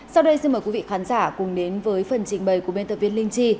sau đây xin mời quý vị khán giả cùng đến với phần trình bày của biên tập viên linh chi